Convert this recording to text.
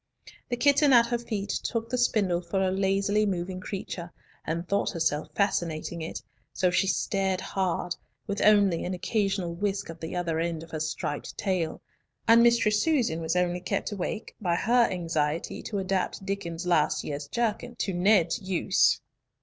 The kitten at her feet took the spindle for a lazily moving creature, and thought herself fascinating it, so she stared hard, with only an occasional whisk of the end of her striped tail; and Mistress Susan was only kept awake by her anxiety to adapt Diccon's last year's jerkin to Ned's use.